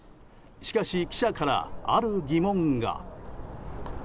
しかし記者から、ある疑問が。